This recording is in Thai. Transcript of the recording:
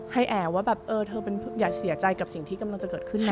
ให้แอว่าแบบเออเธออย่าเสียใจกับสิ่งที่กำลังจะเกิดขึ้นนะ